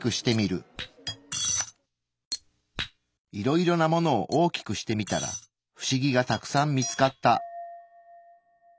いろいろなものを大きくしてみたらフシギがたくさん見つかった。